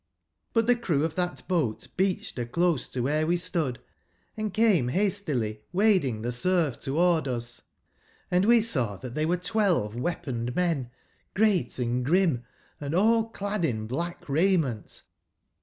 But tbe crew of tbat boat beacbed ber close to wberc we stood, and came bastily wading tbe surf toward us ; <Si we saw tbat tbey were twelve weaponed men, great, and grim, & all clad in black raiment.